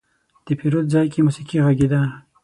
د پیرود ځای کې موسيقي غږېده.